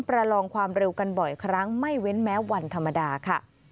ประลองความเร็วกันบ่อยครั้งไม่เว้นแม้วันธรรมดาค่ะ